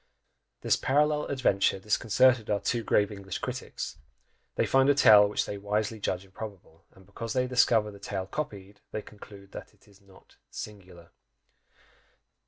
This parallel adventure disconcerted our two grave English critics they find a tale which they wisely judge improbable, and because they discover the tale copied, they conclude that "it is not singular!"